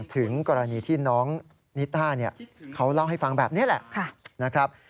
ถึงกรณีที่น้องนิต้าเขาเล่าให้ฟังแบบนี้แหละนะครับ